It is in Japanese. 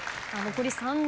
残り３人。